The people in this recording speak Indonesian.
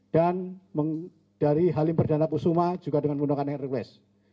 dan dari halim perdana kusuma juga dengan menggunakan hercules